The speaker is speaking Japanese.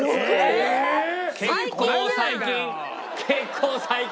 結構最近！